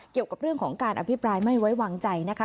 เกี่ยวกับเรื่องของการอภิปรายไม่ไว้วางใจนะคะ